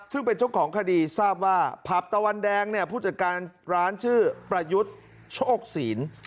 ซึ่งเป็นเจ้าของคดีทราบว่าผับตะวันแดงเนี่ยผู้จัดการร้านชื่อประยุทธ์โชคศีล